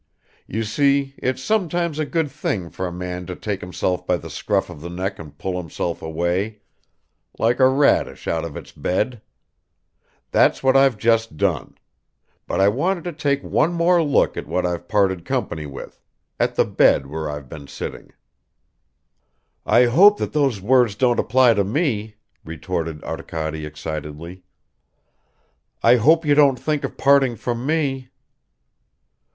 You see it's sometimes a good thing for a man to take himself by the scruff of the neck and pull himself away, like a radish out of its bed; that's what I've just done ... But I wanted to take one more look at what I've parted company with, at the bed where I've been sitting." "I hope that those words don't apply to me," retorted Arkady excitedly. "I hope you don't think of parting from me."